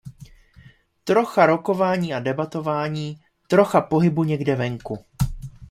Trocha rokování a debatování, trocha pohybu někde venku.